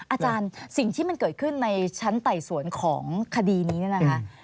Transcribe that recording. อาจารย์สิ่งที่มันเกิดขึ้นในชั้นไต่สวนของคดีนี้เนี่ยนะคะ